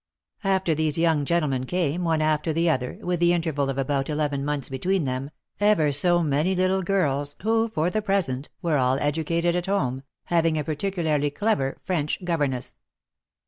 After these young gentlemen came, one after the other, with the interval of about eleven months between them, ever so many little girls, who, for the present, were all educated at home, having a particularly clever French governess.